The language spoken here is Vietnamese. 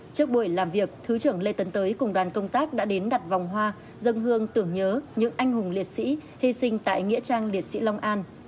trước buổi làm việc thứ trưởng lê tấn tới cùng đoàn công tác đã đến đặt vòng hoa dân hương tưởng nhớ những anh hùng liệt sĩ hy sinh tại nghĩa trang liệt sĩ long an